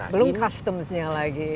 belum custom nya lagi